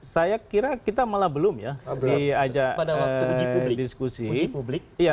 saya kira kita malah belum ya di ajak diskusi